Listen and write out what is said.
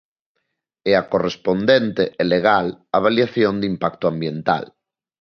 E a correspondente e legal Avaliación de Impacto Ambiental.